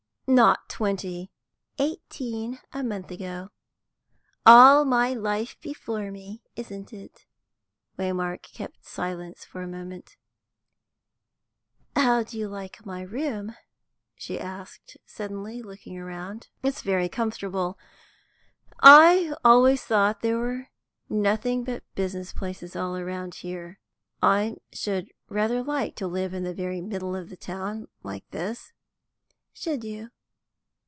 "Not twenty." "Eighteen a month ago. All my life before me, isn't it?" Waymark kept silence for a moment. "How do you like my room?" she asked suddenly, looking round. "It's very comfortable. I always thought there were nothing but business places all about here. I should rather like to live in the very middle of the town, like this." "Should you?